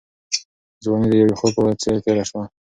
ځواني د یو خوب په څېر تېره شوه.